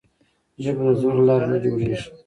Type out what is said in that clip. ژبه د زور له لارې نه جوړېږي.